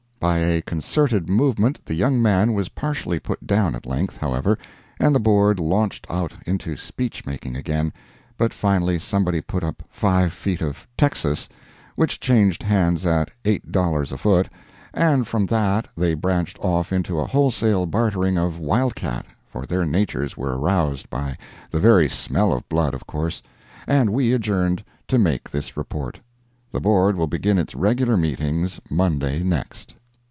By a concerted movement the young man was partially put down at length, however, and the Board launched out into speech making again, but finally somebody put up five feet of "Texas," which changed hands at eight dollars a foot, and from that they branched off into a wholesale bartering of "wildcat"—for their natures were aroused by the first smell of blood of course—and we adjourned to make this report. The Board will begin its regular meetings Monday next.